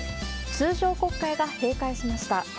通常国会が閉会しました。